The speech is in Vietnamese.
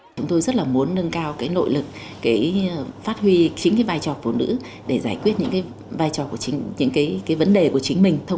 chúng tôi rất là muốn nâng cao nội lực phát huy chính vai trò của phụ nữ để giải quyết những vấn đề của chính mình